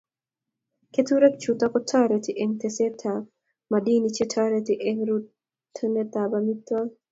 Keturek chutok ko tareti eng' teset ab madini che tareti eng' rutunet ab minutik